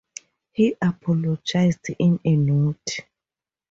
He apologized in a note.